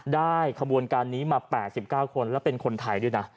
ขบวนการนี้มา๘๙คนแล้วเป็นคนไทยด้วยนะ